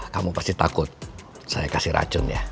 kamu pasti takut saya kasih racun ya